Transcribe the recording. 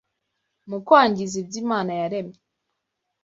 mu kwangiza ibyo Imana yaremye,